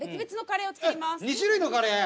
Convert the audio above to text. ２種類のカレー。